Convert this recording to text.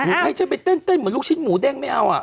อ้าวให้จะไปเต้นเต้นเหมือนลูกชิ้นหมูเด้งไม่เอาอ่ะ